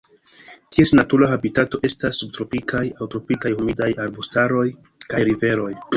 Ties natura habitato estas subtropikaj aŭ tropikaj humidaj arbustaroj kaj riveroj.